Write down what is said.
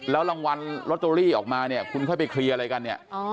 แล้วรางวัลลอตโตรี่ออกมาคุณค่อยไปเคลียร์อะไรกัน